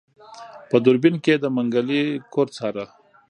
په دوربين کې يې د منګلي کور څاره.